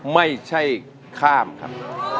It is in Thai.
ไม่ใช่ข้ามครับ